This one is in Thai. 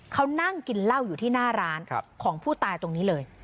เขานั่งกินเหล้าอยู่ที่หน้าร้านของผู้ตายตรงนี้เลย